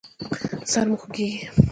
سر مو خوږیږي؟